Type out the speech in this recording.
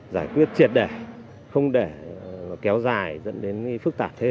giải quyết triệt đẻ không để kéo dài dẫn đến phức tạp thế